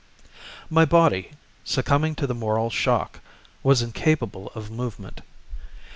My body, succumbing to the moral shock, was incapable of movement.